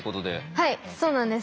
はいそうなんです。